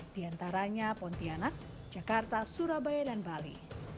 di antaranya pontianak jakarta surabaya dan bali